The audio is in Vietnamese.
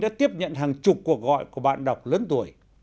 đã tiếp nhận hàng chục cuộc gọi của bạn đọc lớn tuổi